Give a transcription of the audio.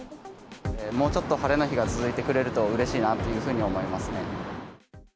もうちょっと晴れの日が続いてくれるとうれしいなというふうに思いますね。